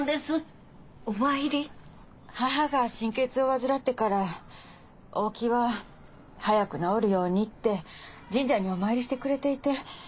母が神経痛を患ってから大木は早く治るようにって神社にお参りしてくれていて。